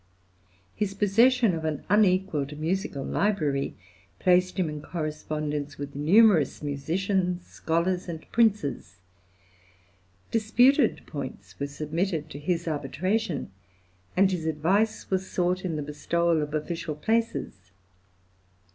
His possession of an unequalled musical library placed him in correspondence with numerous musicians, scholars, and princes. Disputed points were submitted to his arbitration, and his advice was sought in the bestowal of official places.